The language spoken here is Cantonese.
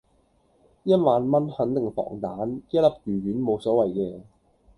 一萬蚊肯定防彈，一粒魚丸無所謂嘅